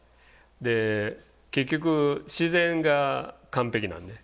で結局自然が完璧なんでね。